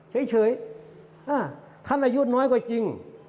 เฉยท่านอายุน้อยกว่าจริง